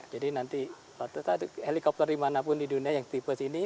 jadi helikopter dimanapun di dunia yang tipe ini